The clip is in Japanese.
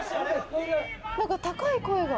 何か高い声が。